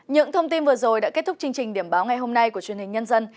những thông tin vừa rồi đã kết thúc chương trình điểm báo ngày hôm nay của truyền hình nhân dân